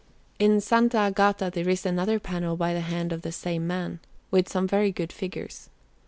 In S. Agata there is another panel by the hand of the same man, with some very good figures.